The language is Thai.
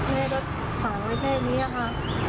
แม่ก็ฝังไว้แค่นี้ค่ะ